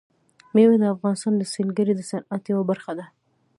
مېوې د افغانستان د سیلګرۍ د صنعت یوه برخه ده.